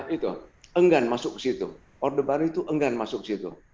itu enggan masuk ke situ orde baru itu enggan masuk situ